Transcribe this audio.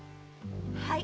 はい。